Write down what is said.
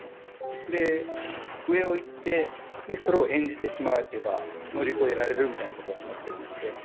で上をいってでそれを演じてしまえば乗り越えられるみたいなことをおっしゃってたので。